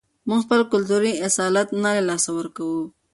موږ خپل کلتوري اصالت نه له لاسه ورکوو.